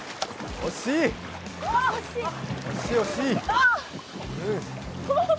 惜しい、惜しい！